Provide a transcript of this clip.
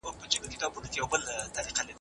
ځان وژنه د مخنيوي وړ ده.